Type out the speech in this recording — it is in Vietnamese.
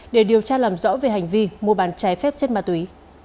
để điều tra làm rõ về hành vi mua bán trái phép chất ma túy